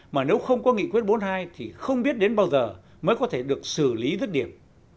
mà nếu không có nghị quyết bốn mươi hai thì không biết đến bao giờ mới có thể được xử lý rứt điểm